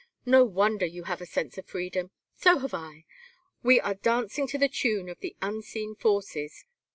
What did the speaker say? No wonder you have a sense of freedom. So have I. We are dancing to the tune of the unseen forces.